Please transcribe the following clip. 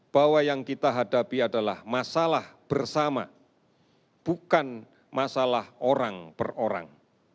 bahwa yang kita hadapi adalah masalah bersama bukan masalah orang per orang